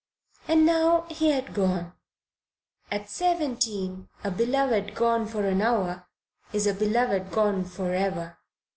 And now he had gone. At seventeen a beloved gone for an hour is a beloved gone for ever.